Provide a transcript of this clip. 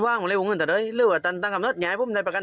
ไอ้อ่อนไขตามแด่วใดแปะกัน